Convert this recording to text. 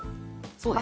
そうです。